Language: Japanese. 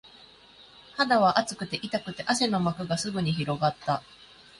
肌は熱くて、痛くて、汗の膜がすぐに広がった